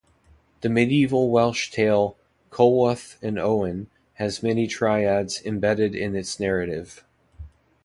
The Medieval Welsh tale "Culhwch and Olwen" has many triads embedded in its narrative.